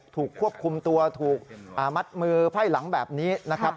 ถูกควบคุมตัวถูกมัดมือไพ่หลังแบบนี้นะครับ